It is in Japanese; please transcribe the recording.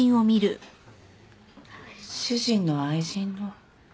主人の愛人の？